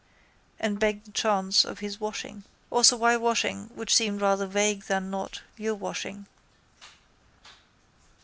and begged the chance of his washing. Also why washing which seemed rather vague than not, your washing.